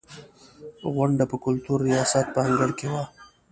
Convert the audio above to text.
غونډه په کلتور ریاست په انګړ کې وه.